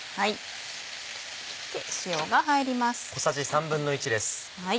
塩が入ります。